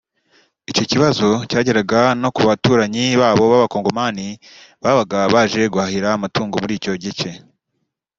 Icyo kibazo cyageraga no ku baturanyi babo b’Abakongomani babaga baje guhahira amatungo muri icyo gice